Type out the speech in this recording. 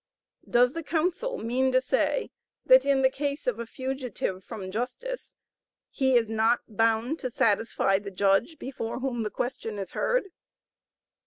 Does the counsel mean to say that in the case of a fugitive from justice he is not bound to satisfy the judge before whom, the question is heard?